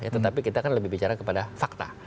tetapi kita kan lebih bicara kepada fakta